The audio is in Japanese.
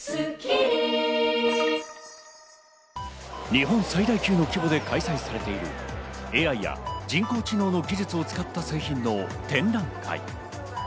日本最大級の規模で開催されているＡＩや人工知能の技術を使った製品の展覧会。